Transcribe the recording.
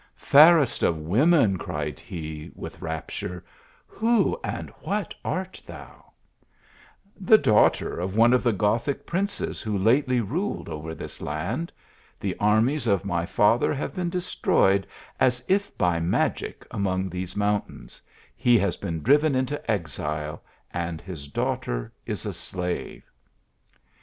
"Fairest of women," cried he, with rapture, " who and what art thou ?"" The daughter of one of the Gothic princes who lately ruled over this land. The armies of my father have been destroyed as if by magic among these mountains, he has been driven into exile, and his daughter is a slave."